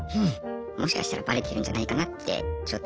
もしかしたらバレてるんじゃないかなってちょっと感じて。